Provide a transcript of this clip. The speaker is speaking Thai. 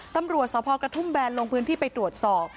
ตำรวจสพกระทุ่มแบนลงพื้นที่ไปตรวจสอบ